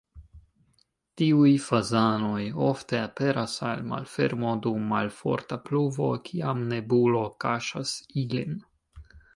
Tiuj fazanoj ofte aperas al malfermo dum malforta pluvo, kiam nebulo kaŝas ilin.